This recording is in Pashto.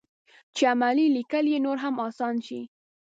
چې عملي لیکل یې نور هم اسان شي.